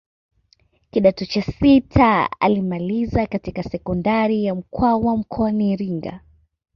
Kidato cha sita alimalizia katika sekondari ya Mkwawa mkoani Iringa